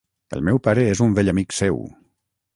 El meu pare és un vell amic seu.